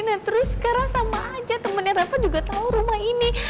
nah terus sekarang sama aja temennya rafa juga tahu rumah ini